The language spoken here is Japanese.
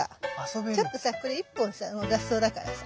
ちょっとさこれ１本さ雑草だからさ。